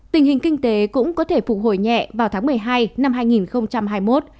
tình hình kinh tế cũng có thể phục hồi nhẹ vào tháng một mươi hai năm hai nghìn hai mươi một